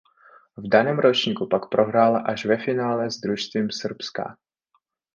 V daném ročníku pak prohrála až ve finále s družstvem Srbska.